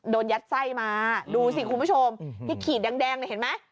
โดนยัดไส้มาดูสิคุณผู้ชมที่ขีดแดงเนี่ยเห็นไหม